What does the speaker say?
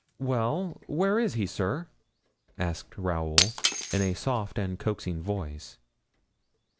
"Well, where is he, sir?" asked Raoul, in a soft and coaxing voice.